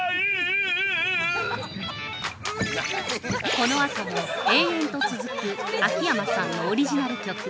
◆このあとも、延々と続く秋山さんのオリジナル曲。